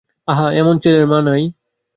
আহা, এমন ছেলের মা নাই!